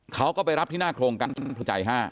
เขาก็ไปรับที่หน้าโครงการหมู่เพลินใจ๕